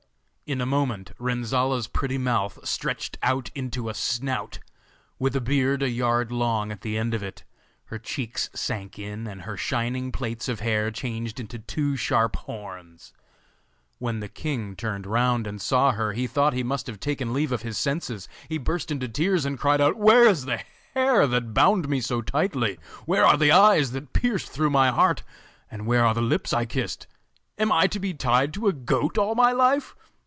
In a moment Renzolla's pretty mouth stretched out into a snout, with a beard a yard long at the end of it, her cheeks sank in, and her shining plaits of hair changed into two sharp horns. When the king turned round and saw her he thought he must have taken leave of his senses. He burst into tears, and cried out: 'Where is the hair that bound me so tightly, where are the eyes that pierced through my heart, and where are the lips I kissed? Am I to be tied to a goat all my life?